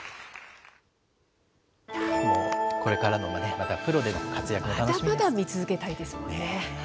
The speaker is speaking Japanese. これからのまたプロでの活躍も楽しみですね。